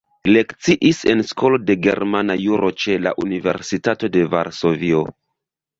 Lekciis en Skolo de Germana Juro ĉe la Universitato de Varsovio.